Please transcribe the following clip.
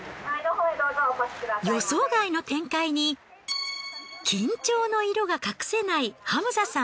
予想外の展開に緊張の色が隠せないハムザさん。